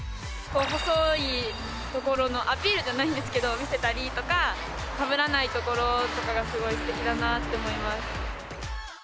細いところのアピールじゃないんですけど見せたりとかかぶらないところとかがすごいすてきだなって思います。